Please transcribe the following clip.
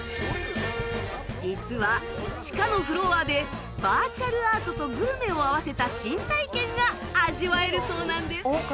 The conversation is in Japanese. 実は地下のフロアでバーチャルアートとグルメを合わせた新体験が味わえるそうなんです